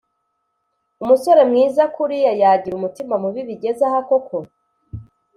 umusore mwiza kuriya yagira umutima mubi bigeze aha koko?